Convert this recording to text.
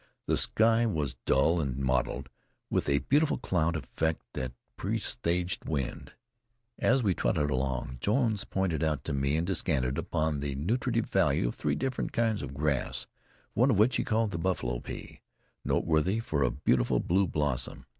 The sky was dull and mottled with a beautiful cloud effect that presaged wind. As we trotted along Jones pointed out to me and descanted upon the nutritive value of three different kinds of grass, one of which he called the Buffalo Pea, noteworthy for a beautiful blue blossom.